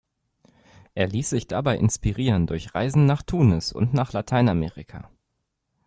Er ließ sich dabei inspirieren durch Reisen nach Tunis und nach Lateinamerika.